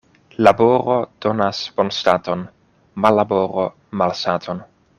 Laboro donas bonstaton, mallaboro malsaton.